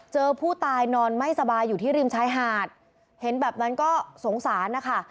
เจอผู้ตายนอนไม่สบายอยู่ที่ริมชายหาดเห็นแบบนั้นก็สงสารนะคะ